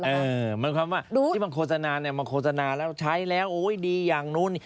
หมายความว่าที่มันโฆษณาเนี่ยมันโฆษณาแล้วใช้แล้วโอ้ยดีอย่างนู้น